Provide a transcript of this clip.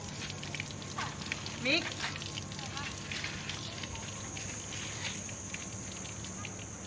สุดท้ายสุดท้ายสุดท้าย